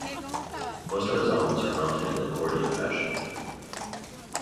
Most of his albums are mounted in accordion fashion.